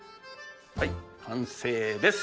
はい完成です。